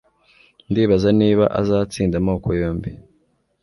Ndibaza niba azatsinda amoko yombi